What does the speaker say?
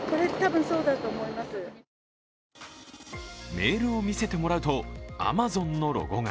メールを見せてもらうとアマゾンのロゴが。